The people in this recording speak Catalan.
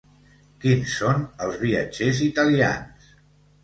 Quins són els viatgers italians?